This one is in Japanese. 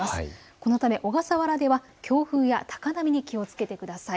このため小笠原では強風や高波に気をつけてください。